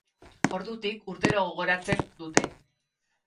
Ordutik, urtero gogoratzen dute.